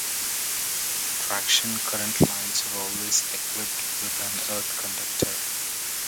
Traction current lines are always equipped with an earth conductor.